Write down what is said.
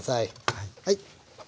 はい。